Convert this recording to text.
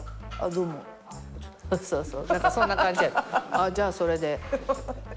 「ああじゃあそれで」。